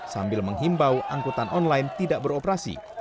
sambil menghimbau angkutan online tidak beroperasi